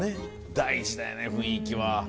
大事だよね雰囲気は。